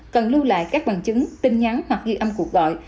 cần lưu lại các bằng chứng tin nhắn hoặc ghi âm cuộc gọi